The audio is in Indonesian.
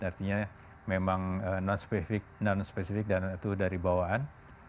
artinya memang non specific dan itu dari bawaan